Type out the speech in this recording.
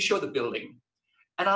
saya tidak tahu mengapa